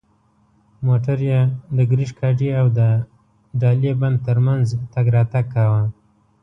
موټر یې د کرشک هډې او د هالې بند تر منځ تګ راتګ کاوه.